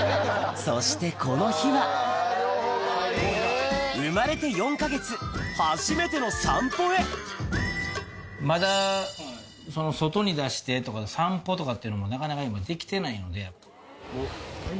そしてこの日はまだ外に出してとか散歩とかっていうのもなかなかできてないので。